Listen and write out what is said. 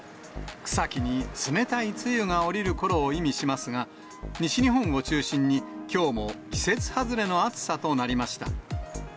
草木に冷たい露が降りるころを意味しますが、西日本を中心に、きょうも季節外れの暑さとなりました。